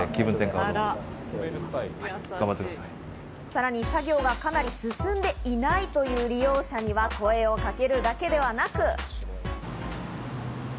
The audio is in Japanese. さらに作業がかなり進んでいないという利用者には声をかけるだけではなく。